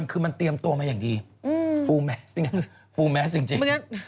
คือมันเตรียมตัวมาอย่างดีฟูแมสนี่ไงฟูแมสจริง